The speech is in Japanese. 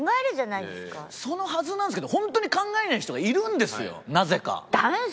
そのはずなんですけど本当に考えない人がいるんですよなぜか。